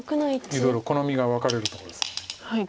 いろいろ好みが分かれるとこです。